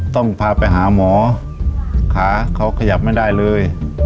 ต้องพาไปหาหมอขาเขาขยับไม่ได้เลย